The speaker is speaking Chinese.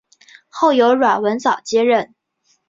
后由阮文藻接任。